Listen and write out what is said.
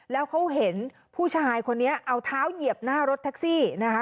แล้วเขาเห็นผู้ชายคนนี้เอาเท้าเหยียบหน้ารถแท็กซี่นะคะ